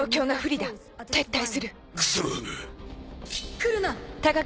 来るな！